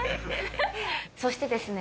そしてですね